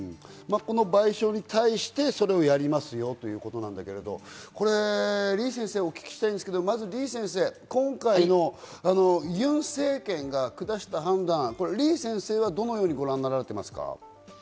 賠償に対して、それをやりますよということなんだけど、リ先生、お聞きしたいんですが、今回のユン政権が下した判断、リ先生はどのようにご覧になっていますか？